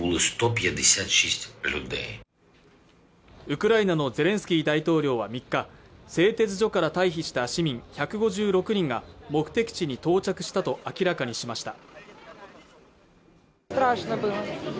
ウクライナのゼレンスキー大統領は３日製鉄所から退避した市民１５６人が目的地に到着したと明らかにしました